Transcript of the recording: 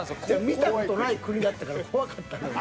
見た事ない国だったから怖かったんよ。